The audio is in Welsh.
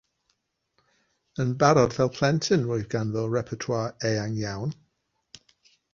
Yn barod fel plentyn roedd ganddo repertoire eang iawn.